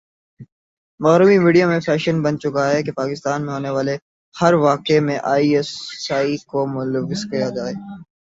مغربی میڈیا میں فیشن بن چکا ہے کہ پاکستان میں ہونے والےہر واقعہ میں آئی ایس آئی کو ملوث کیا جاۓ